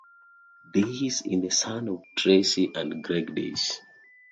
Days is the son of Tracy and Greg Days.